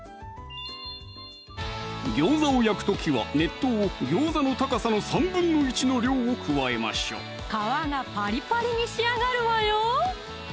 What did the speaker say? ギョウザを焼く時は熱湯をギョウザの高さの１／３の量を加えましょう皮がパリパリに仕上がるわよ！